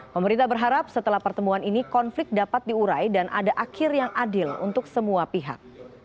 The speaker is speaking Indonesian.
pemerintah berharap setelah pertemuan ini konflik dapat diurai dan ada akhir yang adil untuk semua pihak